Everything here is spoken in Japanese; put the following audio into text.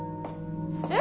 えっ？